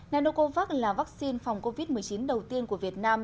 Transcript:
nanocovax là vaccine phòng covid một mươi chín đầu tiên của việt nam